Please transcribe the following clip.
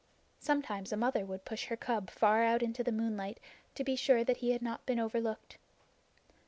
Sometimes a mother would push her cub far out into the moonlight to be sure that he had not been overlooked.